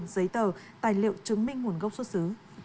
giấy tờ tài liệu chứng minh nguồn gốc xuất xứ